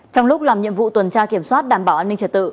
trong lúc làm nhiệm vụ tuần tra kiểm soát đảm bảo an ninh trật tự